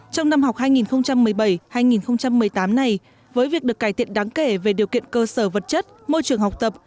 trong năm học hai nghìn một mươi bảy hai nghìn một mươi tám này với việc được cải thiện đáng kể về điều kiện cơ sở vật chất môi trường học tập